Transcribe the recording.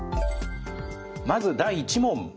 まず第１問。